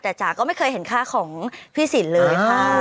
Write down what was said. แต่จ๋าก็ไม่เคยเห็นค่าของพี่สินเลย